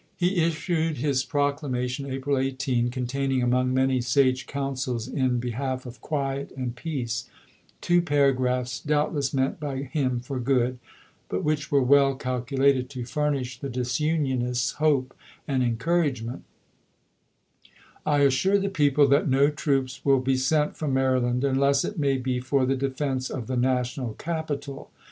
He issued his proclamation April chap. v. 18, containing, among many sage counsels in be half of quiet and peace, two paragraphs doubt less meant by him for good, but which were well calculated to furnish the disunionists hope and encouragement : I assure the people that no troops will be sent from Hicks, Maryland, unless it may be for the defense of the national tion, April capital.